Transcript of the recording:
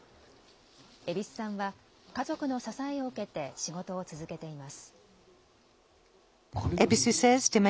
蛭子さんは家族の支えを受けて仕事を続けています。